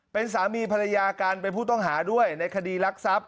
เป็นสามีภรรยากันเป็นผู้ต้องหาด้วยในคดีรักทรัพย